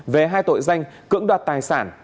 về hai tội danh cưỡng đoạt tài sản